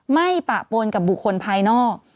ปะปนกับบุคคลภายนอก